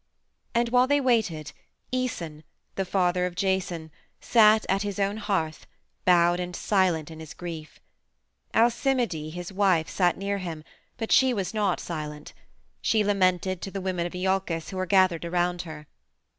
And while they waited Æson, the father of Jason, sat at his own hearth, bowed and silent in his grief. Alcimide, his wife, sat near him, but she was not silent; she lamented to the women of Iolcus who were gathered around her.